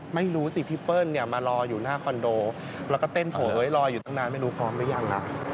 ไม่รู้สิพี่เปิ้ลเนี่ยมารออยู่หน้าคอนโดแล้วก็เต้นโผล่รออยู่ตั้งนานไม่รู้พร้อมหรือยังนะ